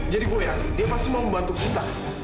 jadi gue yakin dia pasti mau membantu kita